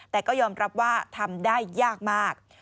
แต่ก็ยอมรับว่าทำได้ยากมาก